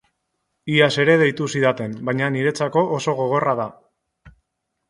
Iaz ere deitu zidaten, baina niretzako oso gogorra da.